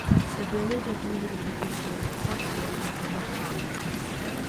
The Village of Unity is located partially within the town.